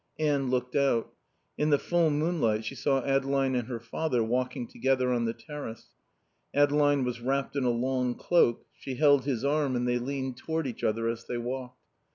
Anne looked out. In the full moonlight she saw Adeline and her father walking together on the terrace. Adeline was wrapped in a long cloak; she held his arm and they leaned toward each other as they walked.